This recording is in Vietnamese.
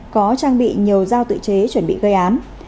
có trang bị nhiều dao tự chế chuẩn bị gây án